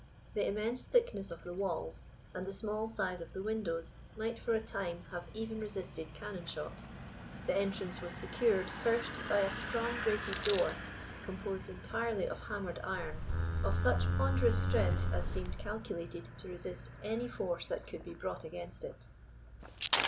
The immense thickness of the walls, and the small size of the windows, might, for a time, have even resisted cannon shot. The entrance was secured, first, by a strong grated door, composed entirely of hammered iron, of such ponderous strength as seemed calculated to resist any force that could be brought against it.